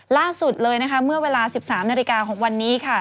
ล่าสุดเลยนะคะเมื่อเวลา๑๓นาฬิกาของวันนี้ค่ะ